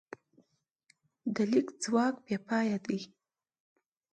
د لیک ځواک بېپایه دی.